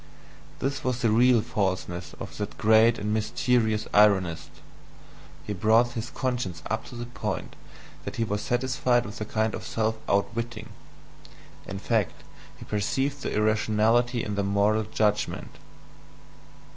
This was the real FALSENESS of that great and mysterious ironist; he brought his conscience up to the point that he was satisfied with a kind of self outwitting: in fact, he perceived the irrationality in the moral judgment.